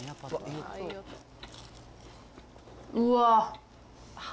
うわ。